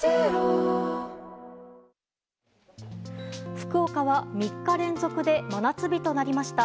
福岡は３日連続で真夏日となりました。